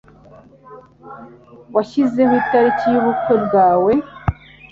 Washyizeho itariki yubukwe bwawe?